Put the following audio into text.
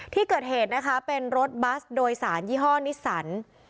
ที่เกิดเหตุนะคะเป็นรถบัสโดยสารยี่ห้อนิสสัน